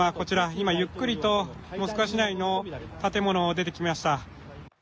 今、ゆっくりとモスクワ市内の建物を出てきました。